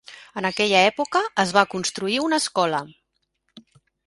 En aquella època es va construir una escola.